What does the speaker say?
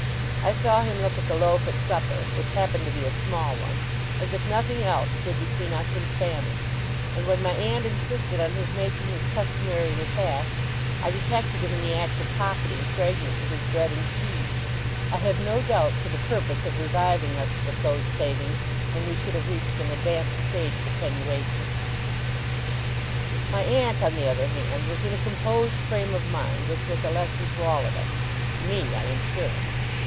I saw him look at the loaf at supper (which happened to be a small one), as if nothing else stood between us and famine; and when my aunt insisted on his making his customary repast, I detected him in the act of pocketing fragments of his bread and cheese; I have no doubt for the purpose of reviving us with those savings, when we should have reached an advanced stage of attenuation. My aunt, on the other hand, was in a composed frame of mind, which was a lesson to all of us to me, I am sure.